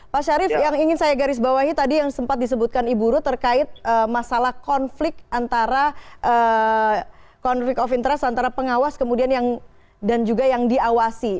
pak syarif yang ingin saya garis bawahi tadi yang sempat disebutkan ibu ru terkait masalah konflik antara pengawas dan juga yang diawasi